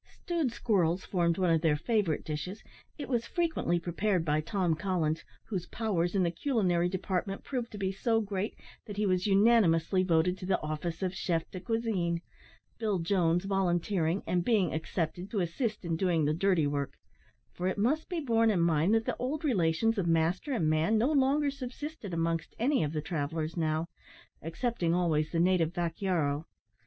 Stewed squirrels formed one of their favourite dishes, it was frequently prepared by Tom Collins, whose powers in the culinary department proved to be so great that he was unanimously voted to the office of chef de cuisine Bill Jones volunteering, (and being accepted), to assist in doing the dirty work; for it must be borne in mind that the old relations of master and man no longer subsisted amongst any of the travellers now excepting always the native vaquero.